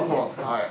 はい。